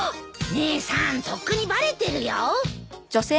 姉さんとっくにバレてるよ。